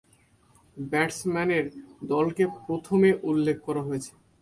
ব্যাটসম্যানের দলকে প্রথমে উল্লেখ করা হয়েছে।